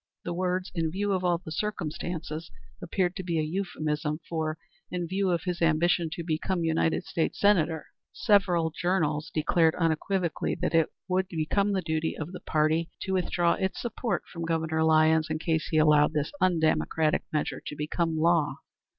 The words "in view of all the circumstances" appeared to be an euphemism for "in view of his ambition to become United States Senator." Several journals declared unequivocally that it would become the duty of the party to withdraw its support from Governor Lyons in case he allowed this undemocratic measure to become law.